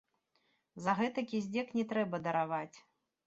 За гэтакі здзек не трэба дараваць.